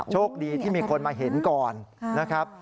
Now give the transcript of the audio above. โชคดีที่มีคนมาเห็นก่อนนะครับ